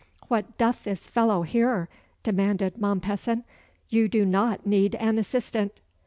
"What doth this fellow here?" demanded Mompesson. "You do not need an assistant."